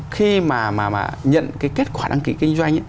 khi mà nhận kết quả đăng ký kinh doanh